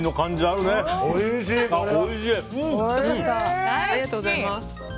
ありがとうございます。